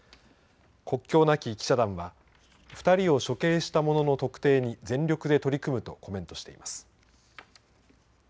国境なき記者団は２人を処刑した者の特定に全力で取り組むとコメントしています。